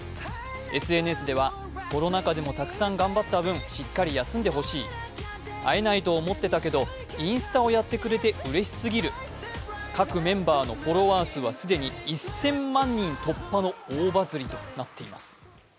ＳＮＳではコロナ禍でもたくさん頑張った分しっかり休んでほしい、会えないと思ってたけど、インスタをやってくれてうれしすぎる、各メンバーのフォロワー数は既に１０００万人突破の大バズりとなっています。